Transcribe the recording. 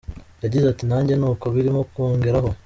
Yagize ati ”Nanjye ni uko birimo kungeraho.